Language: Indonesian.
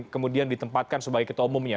kemudian ditempatkan sebagai ketua umumnya